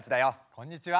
こんにちは。